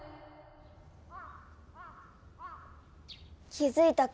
気づいたか？